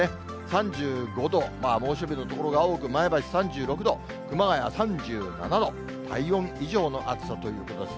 ３５度、猛暑日の所が多く、前橋３６度、熊谷３７度、体温以上の暑さということです。